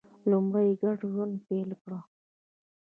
لومړی یې ګډ ژوند پیل کړ.